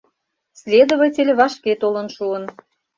Следователь вашке толын шуын.